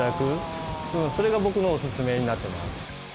それが僕のオススメになってます。